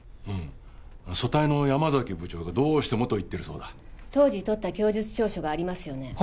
うん組対の山崎部長がどうしてもと言ってるそうだ当時とった供述調書がありますよね